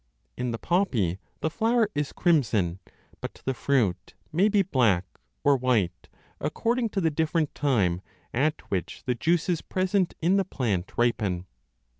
In the poppy the flower is crimson, but the fruit may be black 15 or white, according to the different time at which the juices present in the plant ripen.